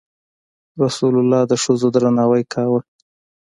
رسول الله د ښځو درناوی کاوه.